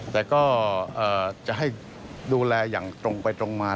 แต่ก็จะให้ดูแลอย่างตรงไปตรงมา